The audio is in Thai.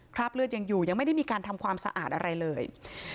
คราบเลือดยังอยู่ยังไม่ได้มีการทำความสะอาดอะไรเลย